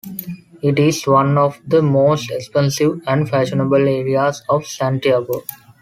It is one of the most expensive and fashionable areas of Santiago.